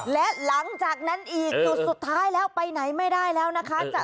และหลังจากนั้นอีกจุดสุดท้ายแล้วไปไหนไม่ได้แล้วนะคะ